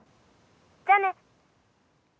じゃあね！